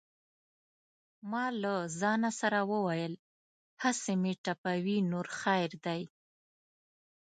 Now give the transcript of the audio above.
ما له ځانه سره وویل: هسې مې ټپوي نور خیر دی.